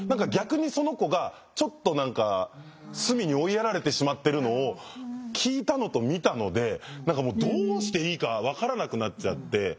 逆にその子がちょっと何か隅に追いやられてしまってるのを聞いたのと見たので何かもうどうしていいか分からなくなっちゃって。